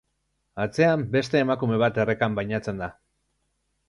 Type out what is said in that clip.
Atzean beste emakume bat errekan bainatzen da.